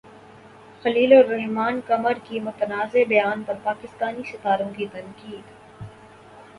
خلیل الرحمن قمر کے متنازع بیان پر پاکستانی ستاروں کی تنقید